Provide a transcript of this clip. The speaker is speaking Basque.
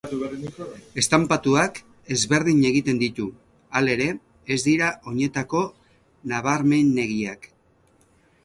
Estanpatuak ezberdin egiten ditu, halere, ez dira oinetako nabarmenegiak.